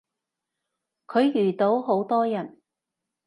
佢遇到好多人